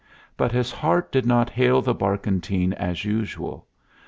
But his heart did not hail the barkentine as usual.